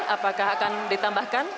apakah akan ditambahkan